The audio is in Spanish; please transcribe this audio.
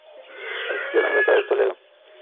Asistió a la Universidad de Toledo.